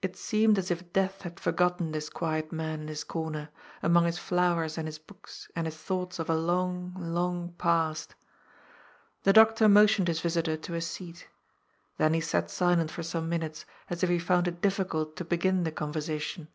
It seemed as if Death had forgotten this quiet man in his comer, among his flowers and his books and his thoughts of a long, long past. The doctor motioned his visitor to a seat. Then he sat silent for some minutes, as if he found it difficult to begin the conversation.